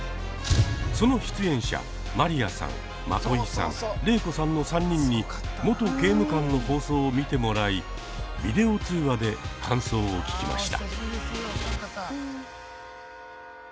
その出演者マリアさんマトイさんレイコさんの３人に「元刑務官」の放送を見てもらいビデオ通話で感想を聞きました。